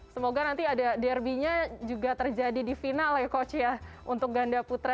semoga nanti ada derby nya juga terjadi di final ya coach ya untuk ganda putra